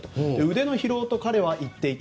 腕の疲労と彼は言っていた。